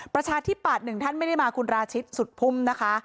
ประชาธิปัตย์หนึ่งท่านไม่ได้มาคุณราชิตสุดพุ่มนะคะ